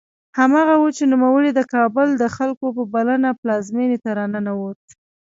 هماغه و چې نوموړی د کابل د خلکو په بلنه پلازمېنې ته راننوت.